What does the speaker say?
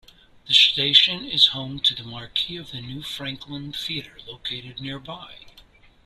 The station is home to the marquee of the New Franklin theater, located nearby.